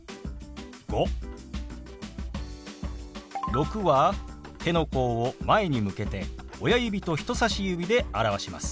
「６」は手の甲を前に向けて親指と人さし指で表します。